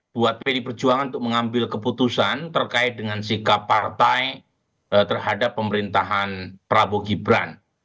buat pdi perjuangan untuk mengambil keputusan terkait dengan sikap partai terhadap pemerintahan prabowo gibran